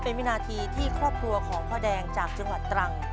เป็นวินาทีที่ครอบครัวของพ่อแดงจากจังหวัดตรัง